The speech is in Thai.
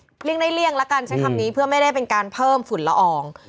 เลี่ยงได้เลี่ยงละกันใช้คำนี้เพื่อไม่ได้เป็นการเพิ่มฝุ่นละออง